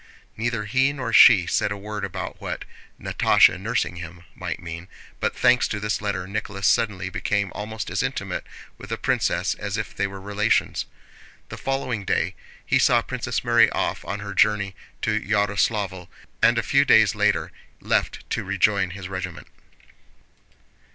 Neither he nor she said a word about what "Natásha nursing him" might mean, but thanks to this letter Nicholas suddenly became almost as intimate with the princess as if they were relations. The following day he saw Princess Mary off on her journey to Yaroslávl, and a few days later left to rejoin his regiment.